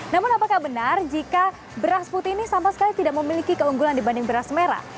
namun apakah benar jika beras putih ini sama sekali tidak memiliki keunggulan dibanding beras merah